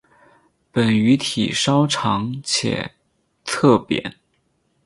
本鱼体稍长且侧扁。